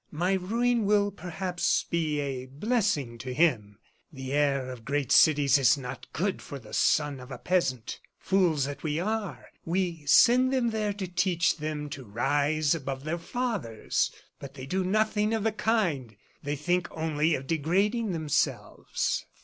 My ruin will, perhaps, be a blessing to him. The air of great cities is not good for the son of a peasant. Fools that we are, we send them there to teach them to rise above their fathers. But they do nothing of the kind. They think only of degrading themselves."